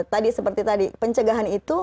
tadi seperti tadi pencegahan itu